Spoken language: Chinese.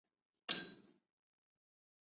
东海北陆自动车道。